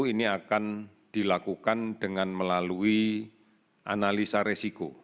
ini akan dilakukan dengan melalui analisa resiko